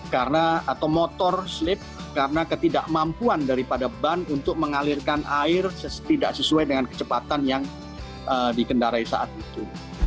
karena atau motor slip karena ketidakmampuan daripada ban untuk mengalirkan air tidak sesuai dengan kecepatan yang dikendarai saat itu